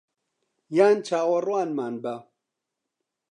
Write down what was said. یان چاوەڕوانمان بە